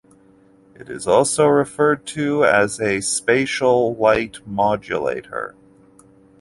It is also referred to as a spatial light modulator.